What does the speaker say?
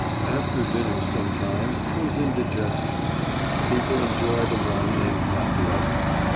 After dinner sometimes comes indigestion: people enjoy the one and not the other.